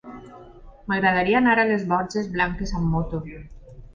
M'agradaria anar a les Borges Blanques amb moto.